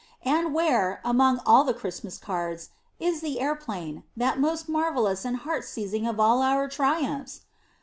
And where, among all the Christmas cards, is the airplane, that most marvelous and heart seizing of all our triumphs?